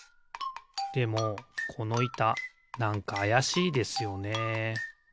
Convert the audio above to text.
でもこのいたなんかあやしいですよね。